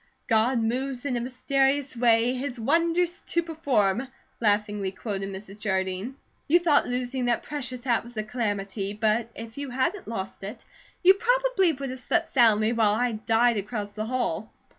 "'God moves in a mysterious way, His wonders to perform,'" laughingly quoted Mrs. Jardine. "You thought losing that precious hat was a calamity; but if you hadn't lost it, you probably would have slept soundly while I died across the hall.